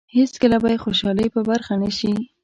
هېڅکله به یې خوشالۍ په برخه نه شي.